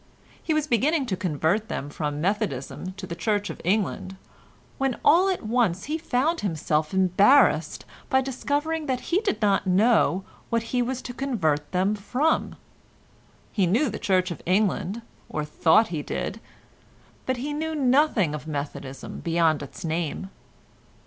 He was beginning to convert them from Methodism to the Church of England, when all at once he found himself embarrassed by discovering that he did not know what he was to convert them from. He knew the Church of England, or thought he did, but he knew nothing of Methodism beyond its name.